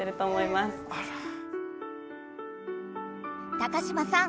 高嶋さん